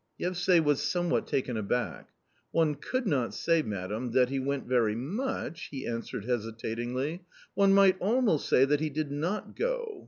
Yevsay was somewhat taken aback. " One could not say, madam, that he went very much," he answered hesitatingly ;" one might almost say that he did not go